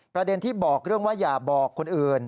ประเด็นที่บอกเรื่องว่าอย่าบอกคนอื่น